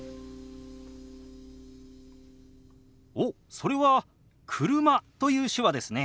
おっそれは「車」という手話ですね。